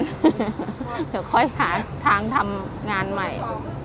เดี๋ยวค่อยหาทางทำงานใหม่